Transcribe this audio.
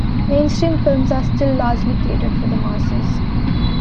Mainstream films are still largely catered for the masses.